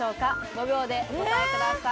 ５秒でお答えください。